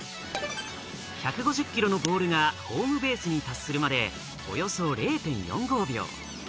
１５０キロのボールがホームベースに達するまでおよそ０．４５秒。